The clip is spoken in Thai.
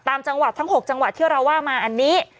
ตามจังหวัดทั้ง๖จังหวัดที่เราว่ามาอันนี้